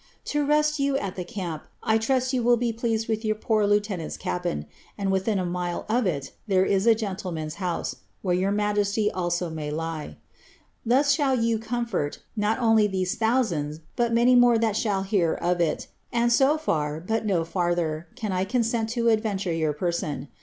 To rest you at the camp, I trust you will be pleased with your pore lieutenant's cabin;* and within a mile (of it) there is a gentleman's house, where your majesty also may lie. Thus shall you comfort, not only these thousands, but many more that shall hear of it; and so far, but no fiirther, can I consent to adventure your person.